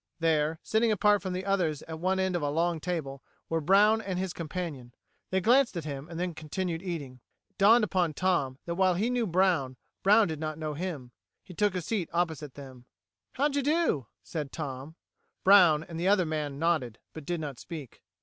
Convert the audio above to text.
There, sitting apart from the others at one end of the long table, were Brown and his companion! They glanced at him, and then continued eating. It dawned upon Tom that while he knew Brown, Brown did not know him. He took a seat opposite them. "How d'you do?" said Tom. Brown and the other man nodded, but did not speak.